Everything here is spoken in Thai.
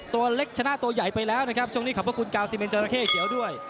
ตัวเล็กชนะตัวใหญ่ไปแล้วนะครับช่วงนี้ขอบพระคุณกาวซิเมนจราเข้เขียวด้วย